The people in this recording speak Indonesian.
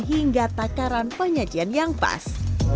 hingga takaran penyajian yang pas